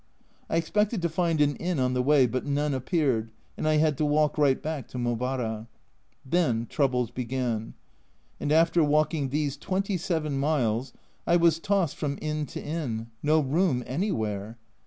I expected to find an inn on the way, but none appeared, and I had to walk right back to Mobara. Then troubles began, and after walking these 27 miles I was tossed from inn to inn, no room anywhere